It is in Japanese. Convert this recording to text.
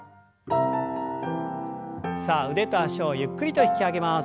さあ腕と脚をゆっくりと引き上げます。